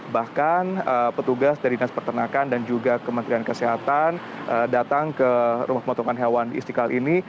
bahkan petugas dari dinas pertanakan dan juga kementerian kesehatan datang ke rumah pemotongan hewan di istiqlal ini